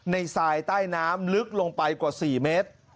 ทรายใต้น้ำลึกลงไปกว่า๔เมตร